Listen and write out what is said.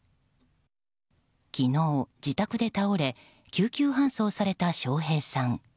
昨日、自宅で倒れ救急搬送された笑瓶さん。